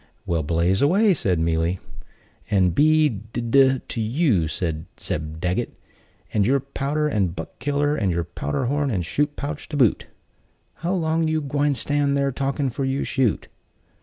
"Well, blaze away," said Mealy, "and be d d to you, and Zeb Daggett, and your powder, and Buck killer, and your powder horn and shot pouch to boot! How long you gwine stand thar talking 'fore you shoot?"